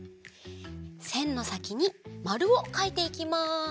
せんのさきにマルをかいていきます。